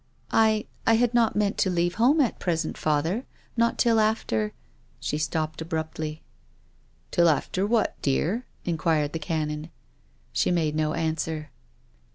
" I — I had not meant to leave home at present, father, not till after —" She stopped abruptly. "Till after what, my dear?" inquired the Canon. She made no answer.